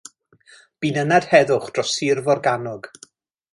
Bu'n ynad heddwch dros Sir Forgannwg.